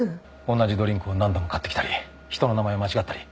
同じドリンクを何度も買ってきたり人の名前を間違ったり。